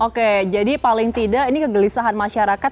oke jadi paling tidak ini kegelisahan masyarakat